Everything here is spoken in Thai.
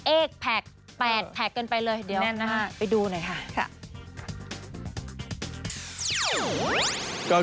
เอ๊กแพ็กแปดเกินไปเลยเดี๋ยวไปดูหน่อยค่ะแน่นมาก